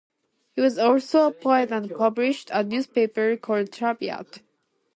He was also a poet and published a newspaper called Tarbiat.